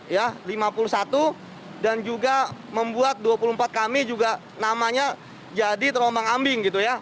ya lima puluh satu dan juga membuat dua puluh empat kami juga namanya jadi terombang ambing gitu ya